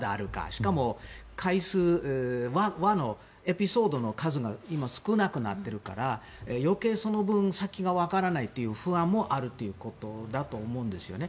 しかも、回数エピソードの数が今、少なくなっているから余計、その分先がわからないという不安もあるということだと思うんですよね。